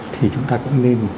thì chúng ta cũng nên